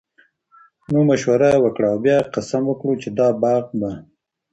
نو مشوره ئي وکړه، او بيا ئي قسم وکړو چې دا باغ به